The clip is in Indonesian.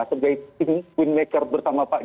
sebagai team winmaker bersama pdi perjuangan